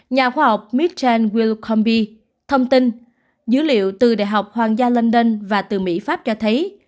nhà khoa học mitchel wilcombe thông tin dữ liệu từ đại học hoàng gia london và từ mỹ pháp cho thấy